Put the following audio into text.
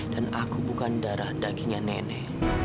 dan aku bukan darah dagingnya nenek